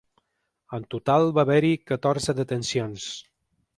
En total va haver-hi catorze detencions.